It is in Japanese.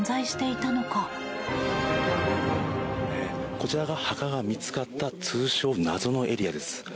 こちらが墓が見つかった通称、謎のエリアです。